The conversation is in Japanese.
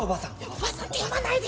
叔母さんって呼ばないでよ。